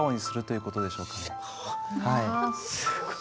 すごい。